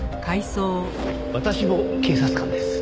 私も警察官です。